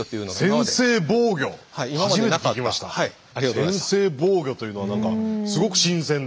先制防御というのは何かすごく新鮮で。